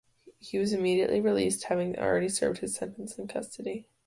He was immediately released having already served his sentence in custody.